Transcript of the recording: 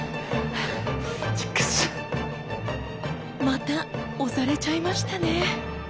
また押されちゃいましたね。